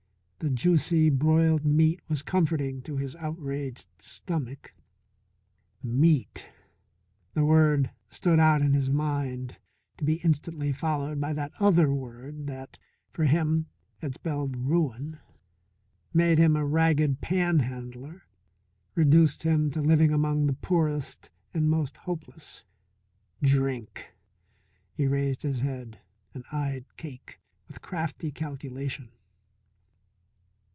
The juicy, broiled meat was comforting to his outraged stomach. Meat. The word stood out in his mind to be instantly followed by that other word that, for him, had spelled ruin, made him a ragged panhandler, reduced him to living among the poorest and most hopeless. Drink! He raised his head and eyed Cake with crafty calculation.